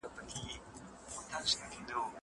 زه به اوږده موده موسيقي اورېدلې وم!!